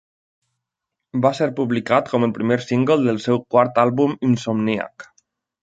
Va ser publicat com el primer single del seu quart àlbum Insomniac.